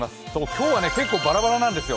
今日は結構バラバラなんですよ。